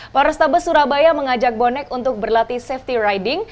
polrestabes surabaya mengajak bonek untuk berlatih safety riding